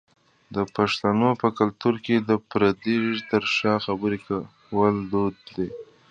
د پښتنو په کلتور کې د پردې تر شا خبری کول دود دی.